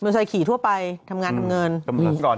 มอเตอร์ไซน์ขี่ทั่วไปทำงานทำเงิน